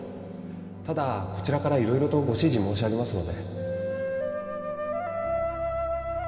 ただこちらからいろいろとご指示申し上げますので